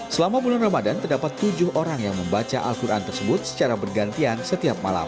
selama bulan ramadan terdapat tujuh orang yang membaca al quran tersebut secara bergantian setiap malam